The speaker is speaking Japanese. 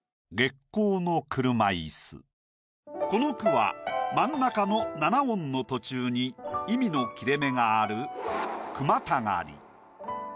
この句は真ん中の７音の途中に意味の切れ目がある句またがり。